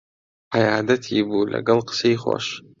عەیادەتی بوو لەگەڵ قسەی خۆش